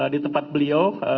di tempat beliau